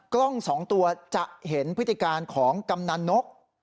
กล้อง๒ตัวจะเห็นพฤติการของกำนันนก